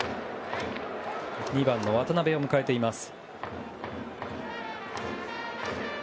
２番の渡邉を迎えています。